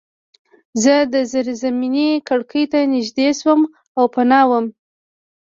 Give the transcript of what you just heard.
زه د زیرزمینۍ کړکۍ ته نږدې شوم او پناه وم